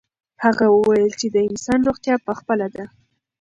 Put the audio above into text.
هغه وویل چې د انسان روغتیا په خپله ده.